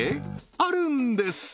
あるんです！